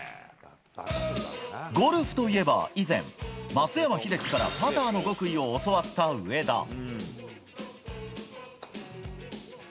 ゴルフといえば以前、松山英樹からパターの極意を教わった上田。